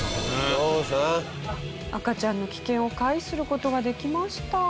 赤ちゃんの危険を回避する事ができました。